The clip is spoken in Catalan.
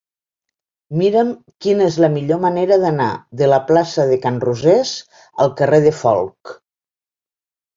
Mira'm quina és la millor manera d'anar de la plaça de Can Rosés al carrer de Folc.